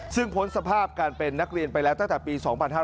ซึ่งพ้นสภาพการเป็นนักเรียนไปแล้วตั้งแต่ปี๒๕๕๙